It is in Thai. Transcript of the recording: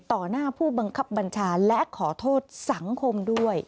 หน้าผู้บังคับบัญชาและขอโทษสังคมด้วย